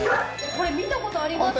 これ見たことあります